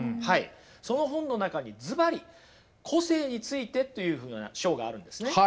その本の中にずばり「個性について」というふうな章があるんですね。